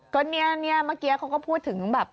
ก็เนี่ยเมื่อกี้เขาก็พูดถึงแบบ